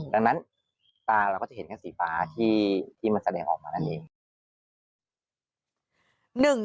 ดังนั้นตาเราก็จะเห็นแค่สีฟ้าที่มันแสดงออกมานั่นเอง